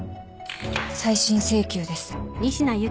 再審請求です。